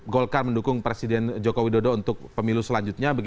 golkar mendukung presiden joko widodo untuk pemilu selanjutnya